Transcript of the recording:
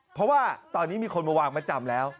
เพราะว่าตอนนี้มีคนมาวางประจำแล้ว